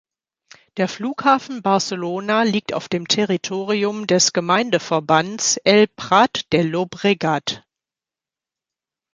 Der Flughafen Barcelona liegt auf dem Territorium des Gemeindeverbands in El Prat del Llobregat.